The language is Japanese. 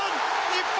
日本